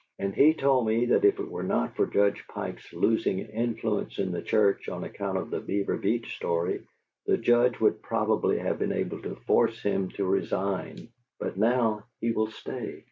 And he told me that if it were not for Judge Pike's losing influence in the church on account of the Beaver Beach story, the Judge would probably have been able to force him to resign; but now he will stay."